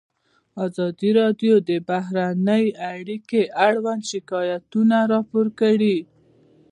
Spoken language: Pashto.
ازادي راډیو د بهرنۍ اړیکې اړوند شکایتونه راپور کړي.